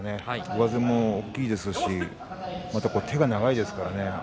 上背も大きいですし手が長いですからね。